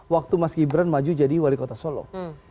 waktu mas gibran maju jadi wali kota solo